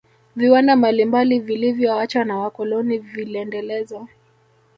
viwanda mbalimbali vilivyoachwa na wakoloni vilendelezwa